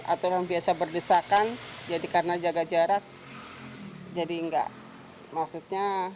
atau yang biasa berdisakan jadi karena jaga jarak jadi nggak maksudnya